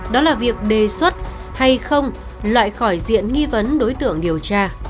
đó là việc đề xuất hay không loại khỏi diện nghi vấn đối tượng điều tra